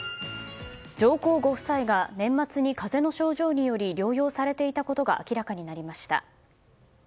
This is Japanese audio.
上皇ご夫妻が年末に風邪の症状により療養されていたことが明らかになりました。